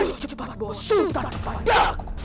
ayo cepat bawa sultan kepadaku